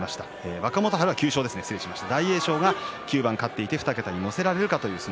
若元春は９勝ですね失礼いたしました。